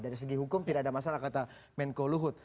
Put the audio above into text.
dari segi hukum tidak ada masalah kata menko luhut